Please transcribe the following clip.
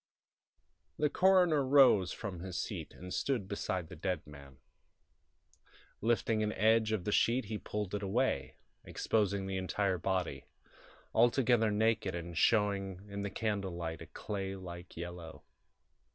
III The coroner rose from his seat and stood beside the dead man. Lifting an edge of the sheet he pulled it away, exposing the entire body, altogether naked and showing in the candle light a clay like yellow.